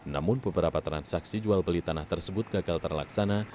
namun beberapa transaksi jual beli tanah tersebut gagal terlaksana